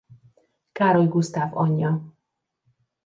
Károly Gusztáv anyja.